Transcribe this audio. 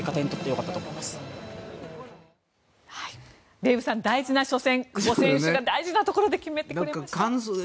デーブさん大事な初戦、久保選手が大事なところで決めてくれました。